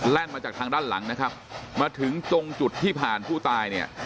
มาจากทางด้านหลังนะครับมาถึงตรงจุดที่ผ่านผู้ตายเนี่ย